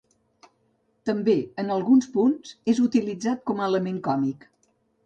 També, en alguns punts, és utilitzat com a element còmic.